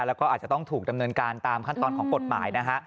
แล้วก็อาจจะต้องถูกดำเนินการตามขั้นตอนของกฎหมายนะฮะ